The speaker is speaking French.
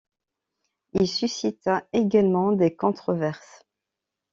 Il suscita également des controverses.